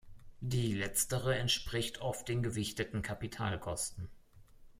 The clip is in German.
Die letztere entspricht oft den gewichteten Kapitalkosten.